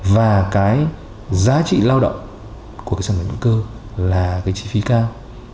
và cái giá trị lao động của cái sản phẩm hữu cơ là cái chi phí cao